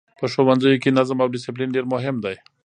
په ښوونځیو کې نظم او ډسپلین ډېر مهم دی.